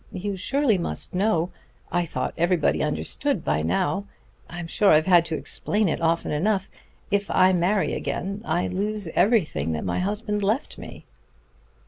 You surely must know ... I thought everybody understood by now ... I'm sure I've had to explain it often enough ... if I marry again I lose everything that my husband left me."